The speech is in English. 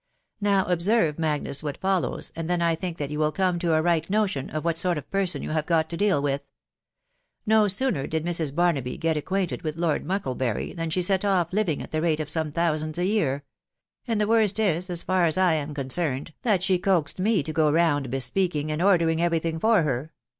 .•• Now observe, Magnus, what follows, and then I think that yon will come to a right notion of what sort of person you have got to deal with. No sooner did Mrs, Barnaby get acquainted with Lord Mucklebury then she set off Jiving at the rate of some thousands a year ; and the wont ia, far as lam concerned, that ahe coaxed me to %p wueui be THE WIDOW BARNABT. SGS ? speaking and ordering every thing for her.